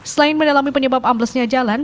selain mendalami penyebab amblesnya jalan